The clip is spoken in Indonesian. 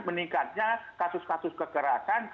meningkatnya kasus kasus kekerasan